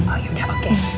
oh yaudah oke